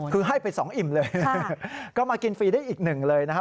คือให้ไปสองอิ่มเลยก็มากินฟรีได้อีกหนึ่งเลยนะครับ